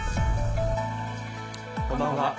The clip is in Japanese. こんばんは。